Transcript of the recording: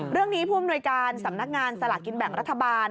เรื่องนี้ภูมิหน่วยการสำนักงานสลักกินแบบรัฐบาล